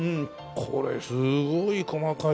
これすごい細かい。